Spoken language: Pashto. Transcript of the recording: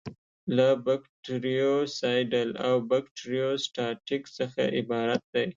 له بکټریوسایډل او بکټریوسټاټیک څخه عبارت دي.